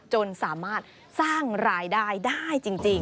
จนสามารถสร้างรายได้ได้จริง